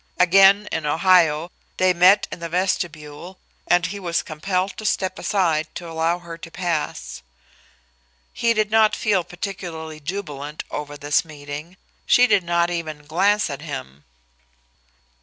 Again, in Ohio, they met in the vestibule, and he was compelled to step aside to allow her to pass. He did not feel particularly jubilant over this meeting; she did not even glance at him.